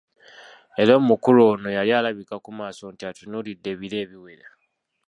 Era omukulu ono yali alabika ku maaso nti atunuulidde ebiro ebiwera.